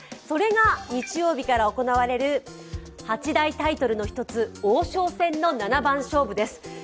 それが日曜日から行われる八大タイトルの１つ、王将戦の七番勝負です。